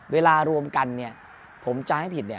เวลารวมกันนี่ผมแจ้ให้ผิดเนี่ย